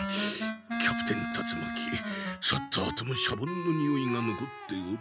キャプテン達魔鬼去ったあともシャボンのにおいがのこっておる。